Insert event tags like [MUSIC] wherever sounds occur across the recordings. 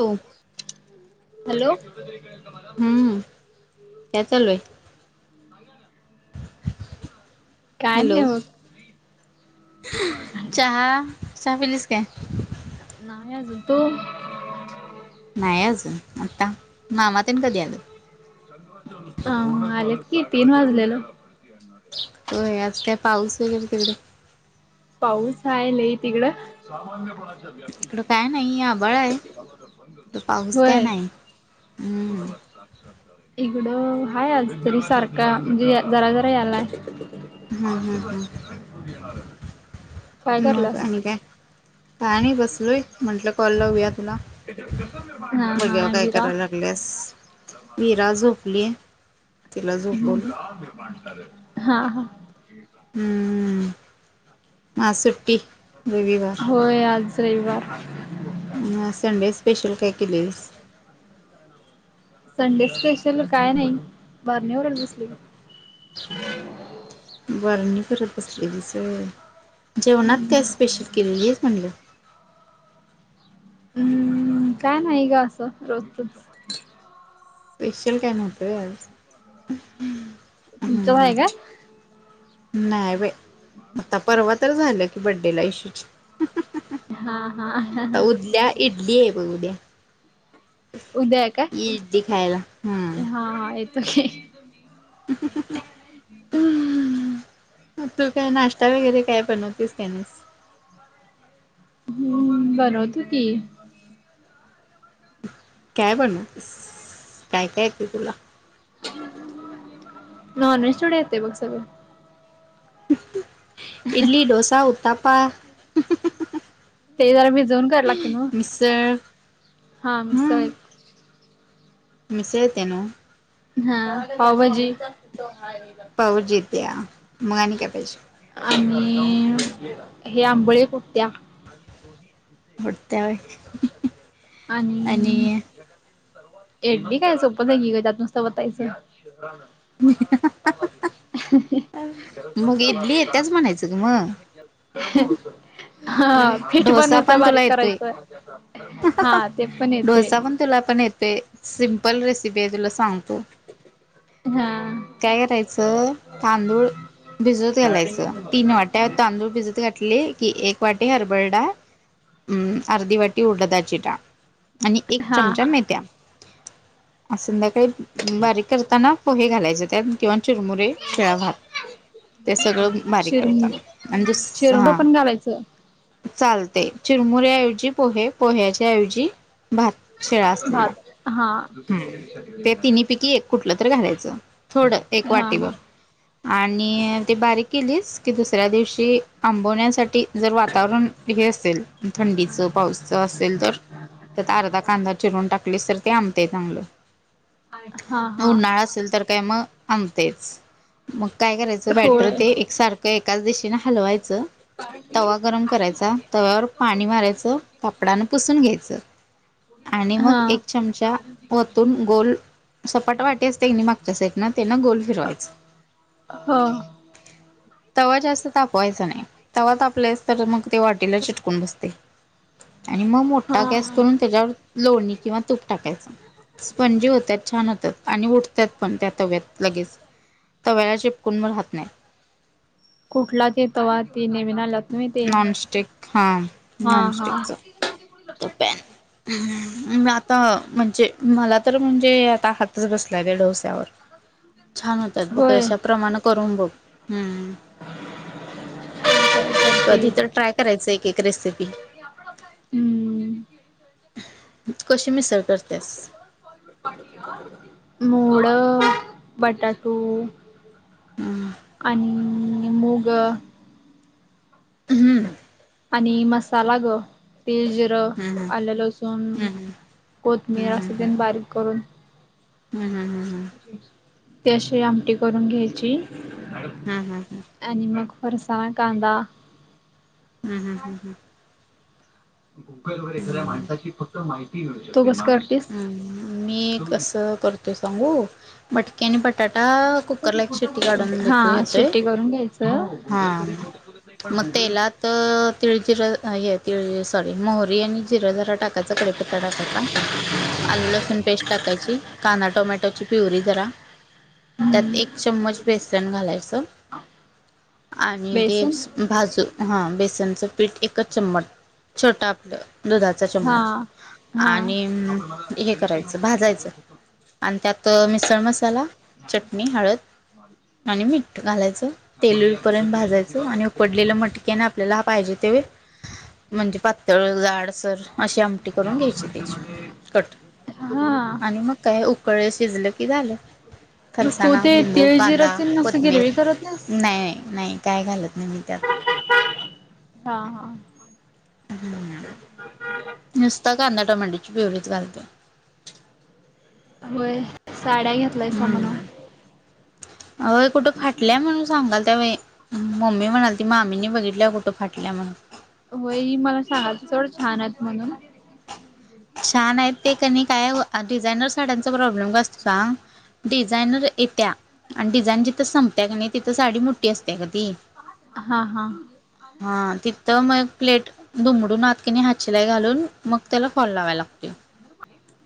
हो. हॅलो, हम्म काय चालू आहे. सांगा ना. नाही हॅलो, बघ चहा चहा पिलीस काय. नाही अजून तू. नाही अजून आता मामातन कधी आलं. अ आलेत की तीन वाजलेलं. होय आज का पाऊस वगैर तिकडे. पाऊस आहे नाही तिकडं. इकडं काय नाही आबाळ आहे इकडं पाऊस काय होय. नाही बोला हम्म पटकन. इकडं हाय आज तरी सारखा म्हणजे जरा जरा यालाय. हम्म हम्म आशेचा एक किरण घेऊन येणार. मग आणि काय. हा बघ्या हा काय विरा करायला लागल्यास. तिला झोपवलं हा हा, हम्म आज सुट्टी. रविवार होय आज रविवार. मग आज संडे स्पेशल काय केलेलीस. संडे स्पेशल काय नाही बारणीवरल बसले बघ. बारणी करत बसलेलीस होय जेवणात काय स्पेशल केलेलीस म्हणलं. हम्म काय नाही ग असं रोजतच. स्पेशल काय नव्हतं होय आज. हम्म तुमचो होय का. नाही बाय आता परवा तर झालं की बड्डेला येशूच्या. हा हा, उद्या इडली आहे बग उद्या. उदय इडली खायला. हम्म. हाय काय. [INAUDIBLE] तू काय नाश्ता वगैरे काय बनवतेस नाईस. हम बनवते की. काय बनवतेस काय काय तू तुला. नॉन व्हेज तेवढं येते बघ सगळ. इडली डोसा उत्तपा. ते जरा भिजवून कराला लागते नाव. ते, हा मिसळ आहे. मिसळत्या नवा. हा पावभजी. पावर जित्या मगाणी काय पाहिजे. आणि हे आंबळे कोटत्या. होत्या होय. आणि. एडली काय सोपं हाय की ग त्यात नुसतं वतायचं. मग इडली येत्याच म्हणायचं ग म. हा फीठ डोसा बनूस्ता पण तुला बारीक येतोय करायचं. हा ते पण येते डोसा पण, तुला पण येतय. सिम्पल रेसिपी आहे तुला सांगतो. हा काय करायचं तांदूळ भिजवत घालायचं. तीन वाट्या तांदूळ भिजत घात ले की, एक वाटी हरभर डाळ, अर्धी वाटी उडदाची डाळ आणि एक हा चमचा हा मेथ्या संध्याकाळी बारीक, करताना पोहे घालायचे त्यात किंवा चुरमुरे शिळा भात ते सगळं बारीक चिर करताना आणि जस. चिरमुरं हां. पण घालायचं चालते. चिरमुऱ्या ऐवजी पोहे, पोह्याच्या ऐवजी भात शिळा असलेला. भात हा. हम् ते तिन्ही पैकी एक कुठलं तर घालायचं. थोड एक हा हा वाटीभर. आणि ते बारीक केलीस की दुसऱ्या दिवशी आंबवण्यासाठी जर वातावरण हे असेल थंडीचं, पाऊसचं असेल तर, तर त्यात अर्धा कांदा चिरून टाकलीस तर ते आंब ते चांगलं. हा हा उन्हाळा असेल तर काय मग आंबतेच मग काय करायचं होय बॅटर ते एक सारखं एकाच दिशेने हलवायचं. तवा गरम करायचा. तव्यावर पाणी मारायचं. कापडानं पुसून घ्यायचं. आणि हा मग एक चमचा वतून गोल सपाट वाटी असत्या कणी मागच्या साईड ना त्यांना गोल फिरवायच. हो तवा जास्त तापवायचा नाही. तवा तापल्यास तर मग ते वाटीला चिटकून बसते. आणि मग मोठा हा गॅस करून त्याच्यावर लोणी किंवा तूप टाकायचं. स्पंजी होतात छान होतात आणि उठतात पण त्या तव्यात लगेच. तव्याला चिपकून व राहत नाही. कुठला ते? तवा ती नवीन आल्यात. नॉनस्टिक हा. हा हा. [UNINTELLIGIBLE] आता म्हणजे मला तर म्हणजे आता हातच बसलाय त्या डोस्यावर. छान होतात बघ होय अशाप्रमाणे करून बघ. हम्म. करते कधी तर ट्राय करायचं एक एक रेसिपी. हम्म. कशी मिसळ करतेस? मोड, बटाटू आणि मूग आणि मसाला ग. तेल, जिरं, हम्म आलं, लसूण, कोथमीिर असं तेन बारीक करून. हम हम हम. ते अशी आमटी करून घ्यायची. हम् हम् हम्. आणि मग फरसाण कांदा हम्म हम्म हम्म. गुगलवर एखाद्या माणसाची फक्त माहिती घेऊ शकता. हम्म मी कसं करतोय सांगू मटकी आणि बटाटा कुकरला एक शिट्टी काढून हा देतोय घेतोय शिट्टी करून घ्यायचं. हा मग तेलात तिळजिर हे तिळजिर सॉरी मोहरी आणि जिर जरा टाक कच्चा कडीपत्ता टाकायचा आल्ल-लसूण पेस्ट टाकायची कांदा टोमॅटोची प्युरी जरा त्यात हम्म एक चम्मच बेसन घालायचं आणि ते बेसन भाजू हा बेसनचं पीठ एकच चम्मच छोटं आपलं दुधाचा हा चम्मच हा आणि अम हे करायचं भाजायचं आणि त्यात मिसळ मसाला, चटणी, हळद हे आणि मीठ घालायचं तेल येऊ पर्यंत भाजायचं आणि उकडलेलं मटकी आणि आपल्याला पाहिजे ते म्हणजे पातळ जाडसर अशी आमटी करून घ्यायची त्याची कट हा आणि मग काय उकळे शिजलं की झालं मग तू फरसाणा, ते लिंबू, तीळ कांदा, जिराची नुसती कोथिंबीर गिरवी करत नाहीस. नाही नाही नाही काय घालत नाही मी त्यात हा हा हम्म नुसता कांदा टॉमॅटोची प्युरीच घालतोय व्हय साड्या घेतलाईसा म्हण अ होय कुठं फाटल्या म्हणून सांगालत्या बाई हम्म मम्मी म्हणालती मामीनी बघितल्या कुठं फाटल्या म्हणून होय ही मला सांगालती सोड छान आहेत म्हणून छान आहेत ते कनी काय डिझायनर साड्यांचा प्रॉब्लेम काय असतोय सांग डिझाईनर येत्या आणि डिझाईन जिथं संपत्या कनी तिथं साडी मोठी असत्या गं ती हा हा हा तिथं मग प्लेट दुमडून आत कणी हातशिलाई घालून मग त्याला फॉल लावायला लागतय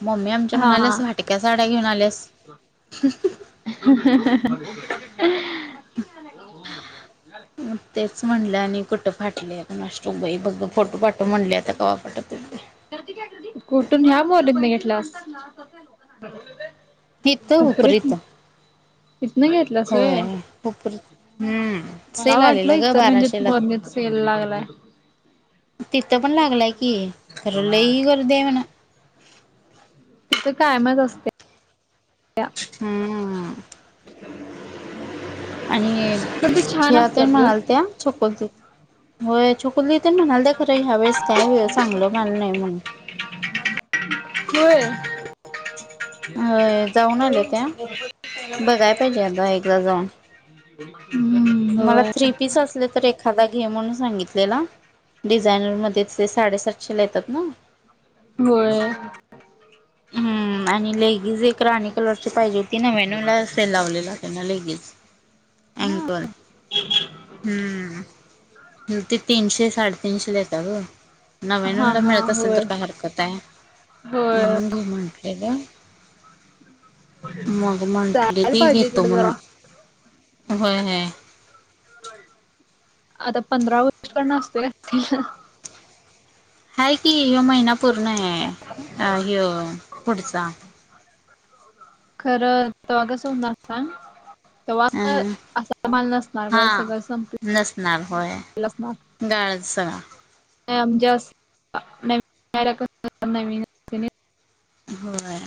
मम्मी आमची हा म्हणाल्या हा फाटक्या साड्या घेऊन आल्यास [INAUDIBLE] [UNINTELLIGIBLE] [UNINTELLIGIBLE] मग तेच म्हटल आणि कुठं फाटल्या कुणास ठाऊक बाई बघ बघ फोटो पाठव म्हटल्या आता कवा पाठवित्या बघूया कुठून ह्या मोलीतन घेतलास इथ हुपरीतन हुपरीत तिथनं घेतलास व्हय. होय हुपरीत हम्म मला सेल वाटलं आलेला गं इचलकरंजीत बाराशेला मोरणीत सेल लागलाय तिथं पण लागलाय की खरं लई गर्दी हाय म्हण तिथं कायमच असत्या हम्म आणि पण ते छान छाया ताई असतात ग. म्हणालत्या [INAUDIBLE] होय छकुली दी तेन म्हणालत्या खरं ह्या वेळेस काय बाई चांगलं माल नाही म्हणून होय अ होय जाऊन आल्या त्या बघाय पाहिजे आता एकदा जाऊन हम्म मला होय थ्री पीस असले तर एखादा घे म्हणून सांगितलेला डिझायनर मध्येच ते साडेसातशेला येतात ना होय हम्म आणि लेगीज एक राणी कलरची पाहिजे होती नव्यानव ला सेल लावलेला त्यांना लेगीज, हा ॲकल. हम्म, ते तीनशे, साडेतीनशे येत्या गं. नव्यानव हा ला हा मिळत असेल होय तर काय हरकत आहे. होय म्हणून म्हंटले. मग म्हटली जायला ती, पाहिजे घेतो तिकडे जरा म्हणून, होय-होय. आता पंधरा उत्पन्न असतोय असतील. हाय की, ह्यो महिना पूर्ण आहे, ह्यो पुढचा. खरं तवा कस होणार आता. तेव्हा अ असा असला माल नसणार हा गं सगळं नसणार होय संपणार. गाळच सगळा. नाही आमच्या अस, नवीन [INAUDIBLE] होय.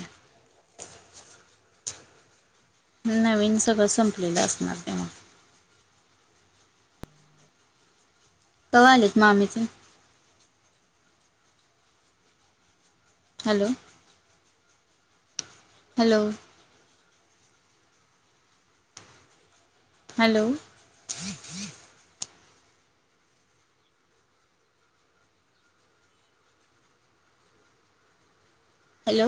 नवीन सगळं संपलेलं असणार तेव्हा. कवा आलीत मामी तेन. हॅलो. हॅलो. हॅलो. हॅलो.